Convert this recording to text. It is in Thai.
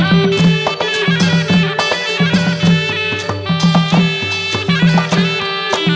วู้วู้วู้